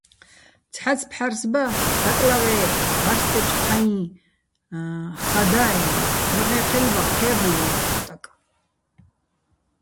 ცჰ̦აც ფჰ̦არს ბა, დაკლავე ბარსტეჩო̆ ჴაიჼ ხა დააჲნო̆, მოჰ̦ე́ჴელბა ჴე́რ'ლოვო̆ სტაკ.